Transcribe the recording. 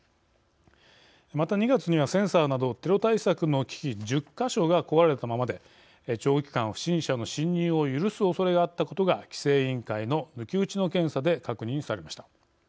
また２月にはセンサーなどテロ対策の機器１０か所が壊れたままで長期間不審者の侵入を許すおそれがあったことが規制委員会の抜き打ちの検査で確認されました。